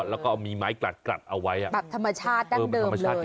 แล้วก็มีไม้กระดกระดะเอาไว้อะแบบธรรมชาติด้านเดิมเลย